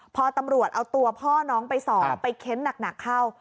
พอตำรวจเอาตัวพ่อน้องไปสอบไปเค้นหนักเข้า